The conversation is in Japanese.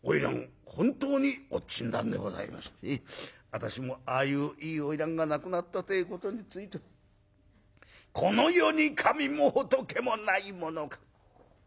私もああいういい花魁が亡くなったてえことについてはこの世に神も仏もないものか。